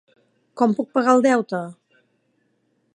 Com puc pagar el deute?